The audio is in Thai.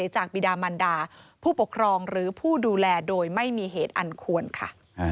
จากบิดามันดาผู้ปกครองหรือผู้ดูแลโดยไม่มีเหตุอันควรค่ะ